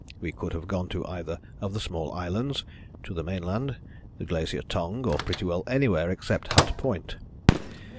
We could have gone to either of the small islands, to the mainland, the Glacier Tongue, or pretty well anywhere except Hut Point.